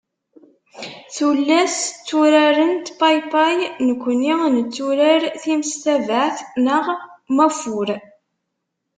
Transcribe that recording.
Tullas tturarent paypay, nekkni netturar timestabeɛt neɣ maffur.